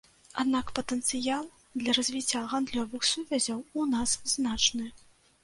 Аднак патэнцыял для развіцця гандлёвых сувязяў у нас значны.